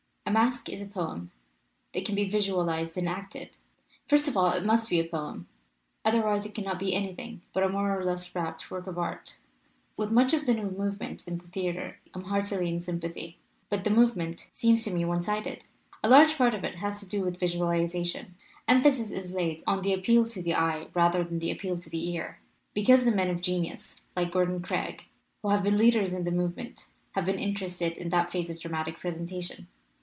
A masque is a poem that can be visualized and acted. First of all it must be a poem, otherwise it cannot be anything but a more or less warped work of art. "With much of the new movement in the theater I am heartily in sympathy; but the movement 306 MASQUE AND DEMOCRACY seems to me one sided. A large part of it has to do with visualization. Emphasis is laid on the appeal to the eye rather than the appeal to the ear, because the men of genius, like Gordon Craig, who have been leaders in the movement, have been interested in that phase of dramatic presentation.